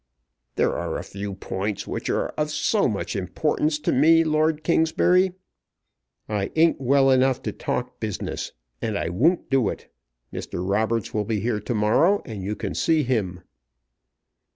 "There are a few points which are of so much importance to me, Lord Kingsbury." "I ain't well enough to talk business, and I won't do it. Mr. Roberts will be here to morrow, and you can see him."